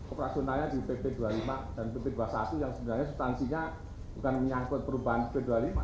operasionalnya di pp dua puluh lima dan pp dua puluh satu yang sebenarnya substansinya bukan menyangkut perubahan p dua puluh lima